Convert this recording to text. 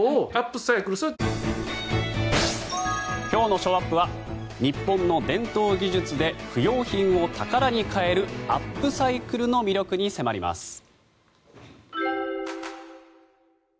今日のショーアップは日本の伝統技術で不用品を宝に変えるアップサイクルの魅力に迫ります。